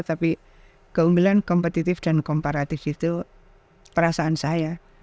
tapi keunggulan kompetitif dan komparatif itu perasaan saya